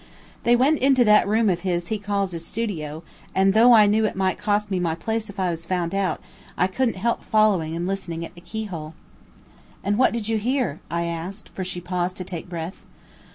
"They went into that room of his he calls his studio and though I knew it might cost me my place if I was found out, I could'nt help following and listening at the keyhole." "And what did you hear?" I asked, for she paused to take breath.